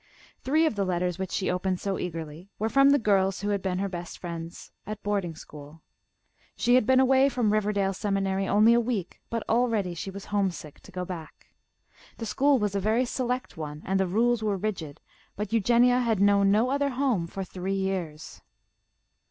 Three of the letters which she opened so eagerly were from the girls who had been her best friends at boarding school. She had been away from Riverdale Seminary only a week, but already she was homesick to go back. The school was a very select one, and the rules were rigid, but Eugenia had known no other home for three years.